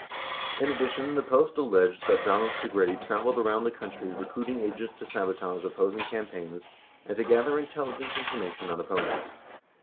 90 In addition, the Post alleged that Donald Segretti traveled around the country recruiting agents to sabotage opposing campaigns and to gather intelligence information on opponents.